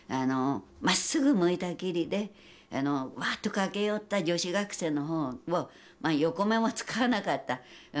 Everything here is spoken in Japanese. まっすぐ向いたきりでワッと駆け寄った女子学生の方を横目も使わなかった。